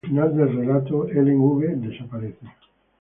Al final del relato, Helen V. desaparece.